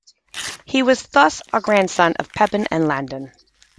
He was thus a grandson of Pepin of Landen.